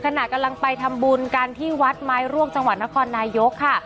ขณะกำลังไปทำบุญกันที่วัดไม้ร่วงจังหวัดนครนายกค่ะ